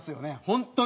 本当に。